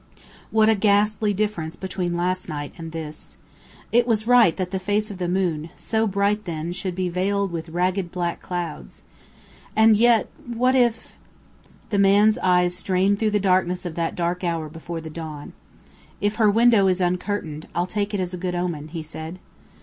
What a ghastly difference between last night and this! It was right that the face of the moon, so bright then, should be veiled with ragged black clouds. And yet, what if The man's eyes strained through the darkness of that dark hour before the dawn. "If her window is uncurtained, I'll take it as a good omen," he said.